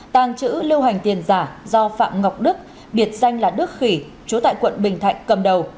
tàng trữ lưu hành tiền giả do phạm ngọc đức biệt danh là đức khỉ chú tại tp hcm cầm đầu